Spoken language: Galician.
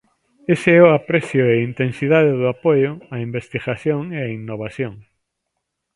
Ese é o aprecio e a intensidade do apoio á investigación e á innovación.